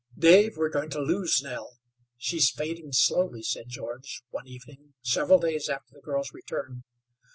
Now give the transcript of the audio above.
"Dave, we're going to loose Nell. She's fading slowly," said George, one evening, several days after the girl's return.